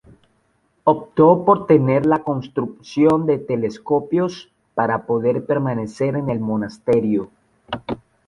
Optó por detener la construcción de telescopios para poder permanecer en el monasterio.